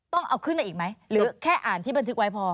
ต้องเอาขึ้นมาอีกไหมหรือแค่อ่านที่บันทึกไว้พอ